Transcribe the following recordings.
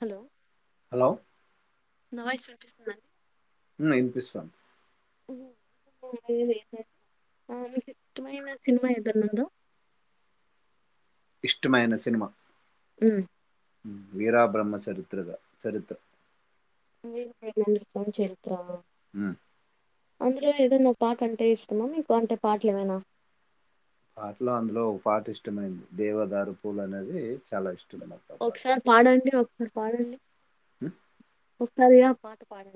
Hello hello స వినిపిస్తుంద ఉ వినిపిస్తాంది అ మీకు ఇష్టమైన సినిమా ఏదన్నా ఉందా ఇష్టమైన సినిమా వీరా బ్రహ్మ చరిత్రగా చరిత్ర నస్త స [unintelligible] అవున ఉమ్, అందుకే ఏదన్నా పాట అంటే ఇష్టమా మీకు అంటే పాటలు ఏవైనా పాటలో అందులో ఒక పాట ఇష్ట ఇష్టమైంది దేవదారు పూల అనేది చాలా ఇష్టం నాకు ఆ ఒకసారి పాడండి ఒకసారి పాడండి హ ఒకస్తది పా పాడ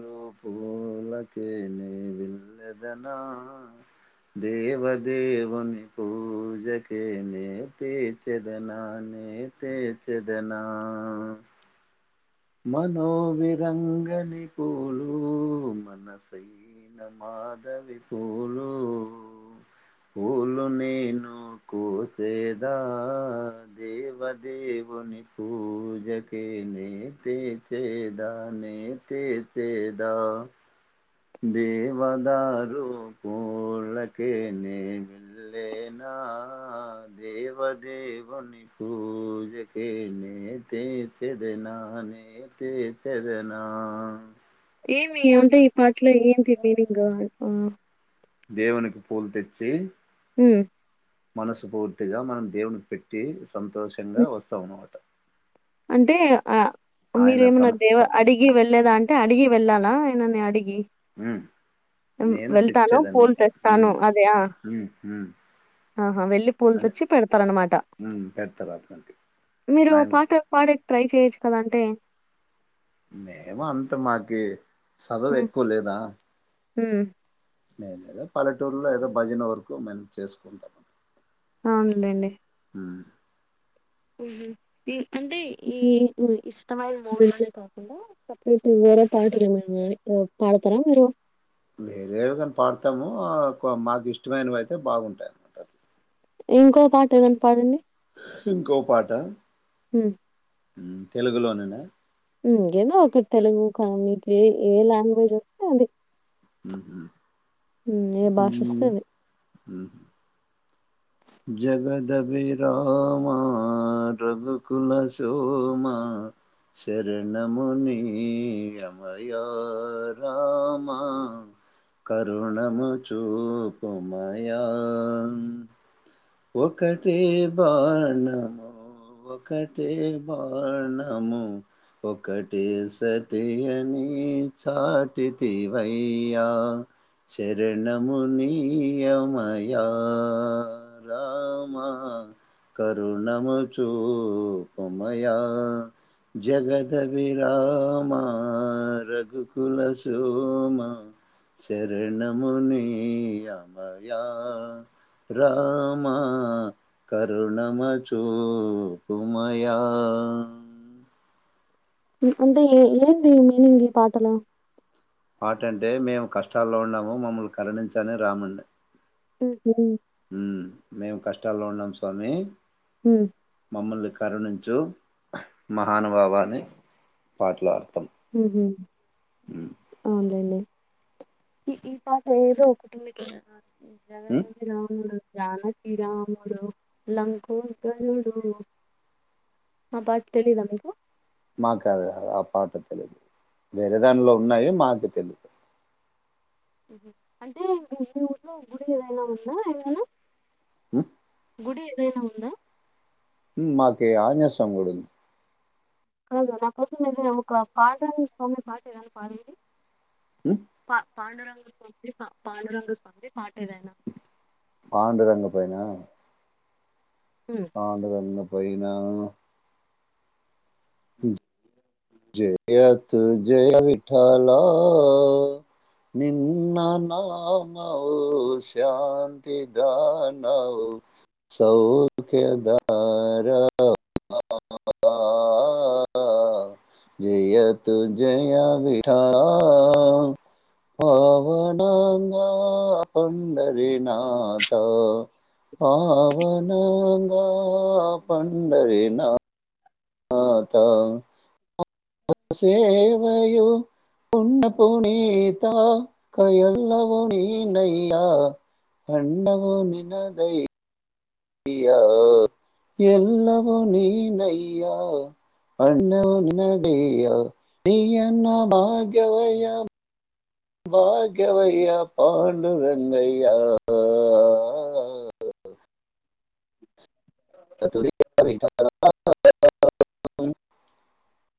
లో పూలక నే విళ్ళదనా దేవదేవుని పూజక నే తే చదనా నే తే చదనా మనోవిరంగని పోూలు మనసై న మాధవి పోూలు పోూలు నను కుసేదా దేవదేవుని పూజక న త చేదా నేతే చేద దవదారుూ పలక న మిళ్లే నా దేవాదేవని పూజక నద చేదనానితే చేదనా ఏమి అంటే ఈ పాటలో ఏంటి మీనింగ్ దవనునికి పోల్ తెచ్చ చీ హ్మ్ మనసు పూర్తిగా మనం దేవున్ని పెట్టి సంతోషంగా వస్తాం అన్నమాట అంటే ఆ ఆయన మీరేమనా సమ దేవ స అడిగి వెళ్లేదా అంటే అడిగి వెళ్ళాల ఆయనని అడిగి హుం మ్మ్ వెళ్తాను పూలు తెస్తాను ఉమ్ అదియా, ఉమ్ ఉమ్ ఆహా వెళ్ళి పూలు అని తెచ్చి పెడతారు అన్నమాట, ఉమ్ పెడతారు అతనికి మీరు ఓ ఆయన పాట పాడేకి ట్రై చేయ్. కదంటే మేమ అంత మాకి చదవు హ్మ్ ఎక్కువ లేదా హ్మ్ మేమేదో పల్లెటూరులో ఏదో భజన వరకు మేము చేసుకుంటాం అవునులేండి ఉమ్ మ్మ్ హ్మ్ ఇ అంటే ఈ ఇ ఇష్టమైన మూవీలోనె కాకుండా సపరేట్ గా వేరే పాటలు ఏమైనా గాని పాడతారా మీరు. వేరేవి గాని పాడుతము కువ మాకు ఇష్టమైనవి అయితే బాగుంటాయి అన్నమాట ఇంకో పాట ఏదన్నా పాడండి ఇంకో పాట హ తెలుగులోన్నన్న కేదో ఒకటి తెలుగు కానీ మీకు ఏ ఏ లాంగ్వేజ్ వస్తే అది హ ఏ భాష వస్తే అది హ జగదభి రామ రఘుకుల సోమ శరణ మునియమయ రామ కరుణము సూపమయం ఒకటే బాణము ఒకటే బాణము ఒకటే సతి అని చాటితివయ్యా శరణమునీయమ్యా రామ కరుణము చూపుమయా జగద్ విరామ రఘుకల సోమ శరణమునీయమయా రామ కరుణమచూపుమయ అంటే ఏ ఏంది మీనింగ్ ఈ పాటలో పాటంటే మేము కష్టాల్లో ఉన్నాము మమ్మల్ని కరణించని రాముణ్ణి హ్ హ్ హ్మ్ మేము కష్టాల్లో ఉన్నాం స్వామి హమ్ మమ్మల్ని కరుణించు మహానుభావాన్ని పాట అవునులేండి ఈ ఈ పాట ఏదో ఒకటుంది కదా ఉమ్, జగదబి రాముడు జానకీ రాముడు లంకోదరుడు ఆ పాట తెలీదా మీకు మాకది ఆ పాట తెలిదు వేరే దాట్లో ఉన్నాయి మాకే తెలీదు అంటే మీ ఊర్లో గుడి ఏదైనా ఉందా ఏమైనా హ్ గుడి ఏదైనా ఉందా మాకే ఆంజనేయ స్వామి గుడుంది. కాదు నా కోసం ఏదైనా ఒక పాట స్వామి పాట ఏదన్న పాడండి. హ్ పా పాండురంగ స్వామి పాండురంగ స్వామిది పాటేదైనా పాండురంగ పైనా పాండురంగం పోయినా జయతు జయ విఠల నిన్న నమవు శాంతి దానవు సౌఖ్యధార జయయ తు జయా విఠా పవనంగా పండరినాథ పవనంగా పండరినాథ నాథ సేవయు పున్నఃపునీతా కయల్ళవునినయ్యా అన్నవుని నదయ అయ్యా ఎల్లవో న నయ్యా అన్నవు నిన్నదయ్యా న అన్న భగవయ భాగ్యవయ్యా పాండురంగయ్యా [inaudible]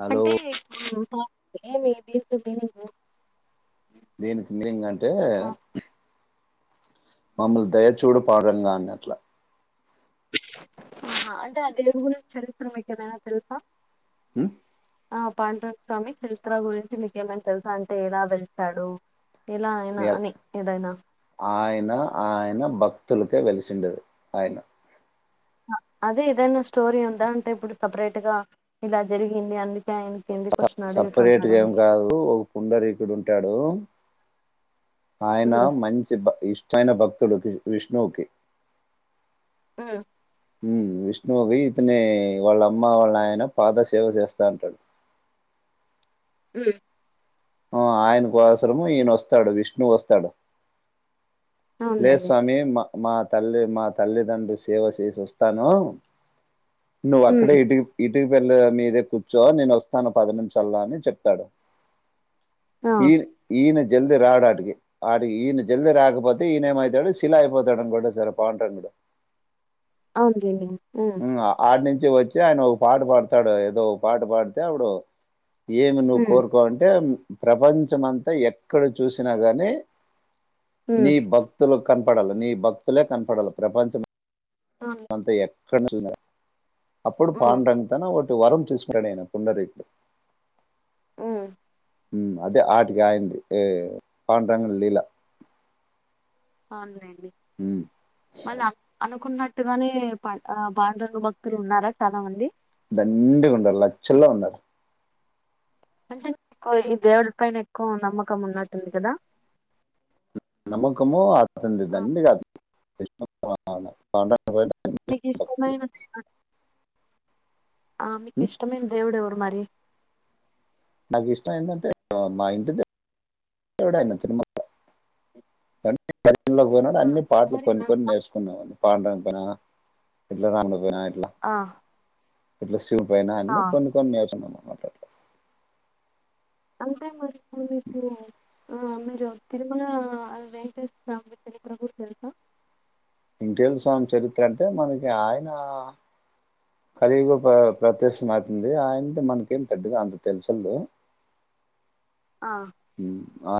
హలో అంటే ఇప్పుడు [unintelligible] దీనికి మీనింగ్ అంటే మమ్మలు దయచూడు పాండురంగ అన్నట్ల ఆహ అంటే ఆ దేవుని గురించి చరిత్ర్రమే ఏదైనా తెలుసా మ్ ఆ పాండురంగ స్వామి చరిత్ర గురించి మీకేమైనా తెలుసా అంటే ఎలా వెలిసాడు ఆయన ఆయన భక్తుల అటే వెలిసిండు ఆయన అదే ఎదన స్టోరీ ఉందా అంటే ఇప్పుడు సపరేట్ గా ఇలా జరిగింది అన్ని స సపరేట్గా ఏం కాదు ఒక కుండరి ఇక్కడ ఉంటాడు. ఆయన ఉమ్ మంచి బ ఇష్ చైన భక్తుడుకి విష్ణువుకి మ్మ్ మ్మ్ విష్ణువుకి ఇతనే వాళ్ళ అమ్మ వాళ్ళ నాయన పాద సేవ చేస్తా ఉంటడు. హ్మ్ ఆ ఆయన కోసరము ఈయన వస్తాడు విష్ణు వస్తాడు లే అవునులేండి స్వామి మ మా తల్లి మా తల్లిదండ్రు సేవ సేసి వస్తానూ నువ్వు అక్కడే ఉమ్ ఇటి ఇ టిక పెళ్ళ మీదే కూర్చో నేను వస్తాను పది నిమిషల్లో అని చెప్పాడు. ఆ ఈ ఈయన జల్ది రాడా టుగి ఆడ ఈయన జల్ది రాకపో తే ఈయన ఏమైతడు శిళ అయిపోతాడు [unintelligible] పాండురంగడు అవును లేండి మ్మ్ ఆడ్ నిం చి ఆయన ఒక పాట పాడుతాడు ఏదో ఒక పాట పాడితే అప్పుడు ఏమి నువ్వు ఉమ్ కోరుకోవంటే ప్రపంచమంతా ఎక్కడ చూసిన గానీ ఉమ్ మీ భక్తుల కం పడాల నీ భక్తులే కన్పడాల ప్రపంచం అవును అంత ఎ [unintelligible] అప్పుడు ఉమ్ పాండురంగ తన ఒ వరం తీసుకున్నడు ఈయన పుంఢరీకుడు మ్మ్ మ్మ్ అదే ఆటికి ఆయింది ఈ పాండురంగడి లీలా అవునులెం డి మల్ల అనుకున్న అటుగానీ పాం ఆ పాండురంగ భక్తులు ఉన్నారా చాలా మంది? చిల్లా ఉన్నారు అంటే ఎక్కువ ఈ దేవుడి పైన ఎక్కువ నమ్మకం ఉన్నట్టుంది కదా. నమ్మకమో అతనిది ఆ, దండిగా పట నీకిష్టమైన దేవ ఆ హ్మ్. మీకిష్టమైన దేవుడేవరు మరి నాకు ఇష్టమైదంటే ఇంటి దేవుడైయిన తిరుమల లోకి పోయినాడు ఆ అన్ని పాటలు మరి కొన్ని నా కొన్ని నేర్చుకున్నాం పాడానికి తన వినాయక్ ఆ ఇట్లస్ చూపోయినా ఆ! అన్ని కొన్ని కొన్ని నేర్చుకున్న అంటే మరి వినాయకుడా ఆ మీరు తిరుమల వెంకటేశ్వర స్వామి చరిత్ర గురించి తెలుసా వెంటేశ్వర స్వామి చరిత్ర అంటే మనకి ఆయన కలియుగ ప ప్రత్యక్షమౌవుతుంది ఆయనది మనకేం పెద్దగా అంత తెలుసిందే ఆ మ్మ్ ఆ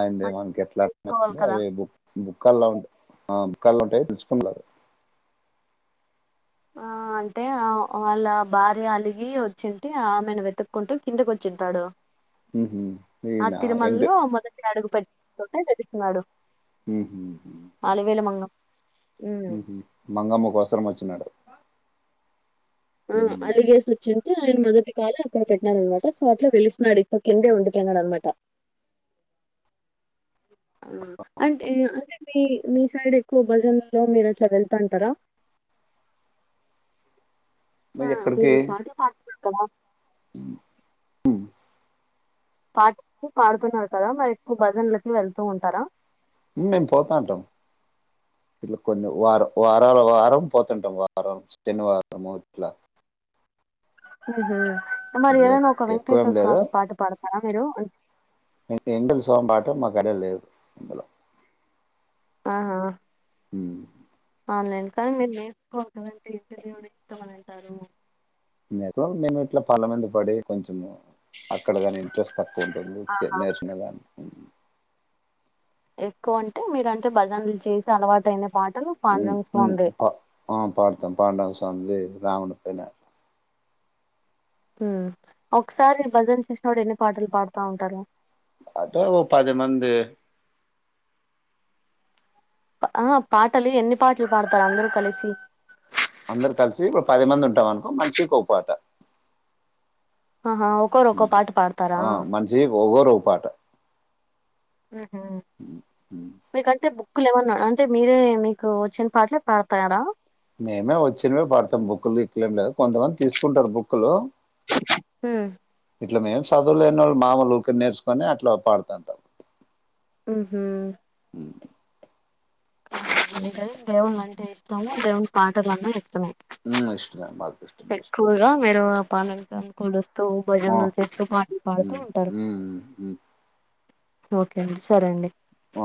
ఆయనదే అది మకి ఎట్లా తెలుసుకోవాలి కదా అవి బుక్ బుక్ కళ్ళాంట్ ఆ కళ్ళు ఉంటాయి పిలుచుకుంటారు ఆ అంటే ఆ వాళ్ళ భార్య అలిగి వచ్చుంటే ఆమెను వెతుక్కుంటూ కిందకి వచ్చింటాడు మ్హూ. ఆ ఈయన ఎంక తిరుమలలో మొదటి అడుగు పెట్ కొంటే తెగిస్తన్నాడు మ్మ్ హ్మ్ మంగం మ్మ్ హ్మ్ మంగమ్మ కోసం వచ్చినాడు ఆ మ్. అలిగేసి వచ్చుంటే ఆయన మొదటి కాలు అక్కడ పెట్టినాడు అనమాట సో అట్లా వెలిస్తున్నాడు ఇప్ప కిందే ఉండిపోయినాడు అనమాట ఆ అంటే తది మీ సైడ్ ఎక్కువ భజనమేల మీరు అట్లా వెళ్తాంటారా ఆ మరి ఎక్కడికి మీరు పాట పాడతన్నరు కదా పాటి పాడుతున్నారు కదా మరి ఎక్కువ భజన్లకి వెళ్తూ ఉంటారా మ్మ్ మేం పోతాటం ఇట్లా కొన్ని వార వారాల వారం పోతంటం వారం శనివారము ఇట్లా మ్మ్ హ్మ్ మరి లే- ఏదైనా ఒక వెంకటేశ్వర స్వామి పాట పాడతారా మీరు వెంకటేశ్వామి పాట మ ఐడియా లేదు అస్సల ఆహా ఉహు ఆన్లైన్ కానీ మీరు నేర్సుకో నువంటే ఇష్టం దేవుడ ఇష్టం అనండి టరు నేకోలు మేము ఇట్ల పళ్ళ మీద పడి కొంచెం అక్కడ కాని ఇంట్రెస్ట్ తక్కువ ఉంటుంది ఇట్లే ఆహా! నేర్చుకునే దాని ఎక్కువ అంటే మీరు అంటే భజనలు చేసి అలవాటయిన ఉ ఉ పా ఆ పాడతం పాండురంగ స్వామివే రావణ పైన ఉ ఒకసారి భజన చేసినప్పుడు ఎన్ని పాటలు పాడుతా ఉంటారు అదే ఓ పది మంది ఆహ పాటలు ఎన్ని పాటలు పాడతారు అందరూ కలిసి అందరు కలిసి ఓ పది మంది ఉంటాం అనుకో మనిషి కో పాట ఆహా ఒక్కోరు ఉ ఒక్కో పాట పాడతారా ఆ మనిషి ఒగరు ఓ పాట ఉహు మీ కంటె బు క్కులు ఏమన్నా అంటే మీరే మీకు వచ్చిన పాటలే పాడతారా మేమే వచ్చినవి పాడతాం బుక్కులు గిక్కులు ఉండవు కొంతమంది తీసుకుంటారు బుక్లు హ్మ్ ఇట్లా మేము చదువులేని వాళ్ళు మాములు ఊకే నేర్సుకోని అట్లా పాడుతాంటం ఉహు అందుకని దేవుని అంటే ఇష్టమే దేవుని పాటలన్న ఇస్ ఇష్టమే మాకు ఇష్టమే ఎక్కువగా మీరు పనైతే అనుకుండోస్ తో ఇష్టం భజనలు చేస్తూ పాటలు పాడుతూ ఉమ్ ఉంటరు ఉమ్ ఉమ్ ఓకే అండి సరే అండి ఆ